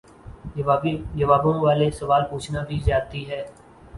جوابوں والے سوال پوچھنا بھی زیادتی ہے